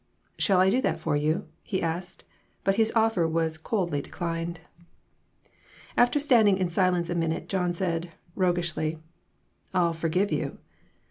"Shall I do that for you?" he asked; but his offer was coldly declined. After standing in silence a minute, John said, roguishly "I'll forgive you."